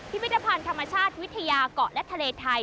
พิพิธภัณฑ์ธรรมชาติวิทยาเกาะและทะเลไทย